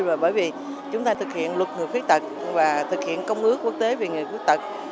và bởi vì chúng ta thực hiện luật người khuyết tật và thực hiện công ước quốc tế về người khuyết tật